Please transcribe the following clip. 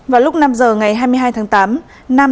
vào lúc năm giờ ngày hai mươi hai tháng tám